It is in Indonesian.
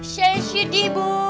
saya sedih bu